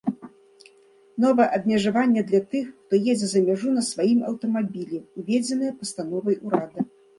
Новае абмежаванне для тых, хто едзе за мяжу на сваім аўтамабілі, уведзенае пастановай урада.